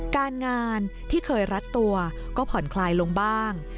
การงานที่เคยรัดตัวก็ผ่อนคลายลงบ้าง